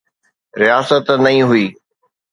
رياست نئين هئي.